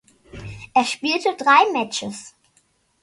Er spielte drei Matches.